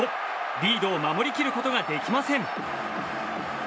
リードを守り切ることができません。